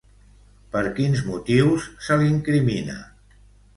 Per quins motius se l'incrimina?